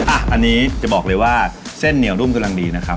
อันนี้จะบอกเลยว่าเส้นเหนียวนุ่มกำลังดีนะครับ